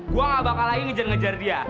gue gak bakal lagi ngejar ngejar dia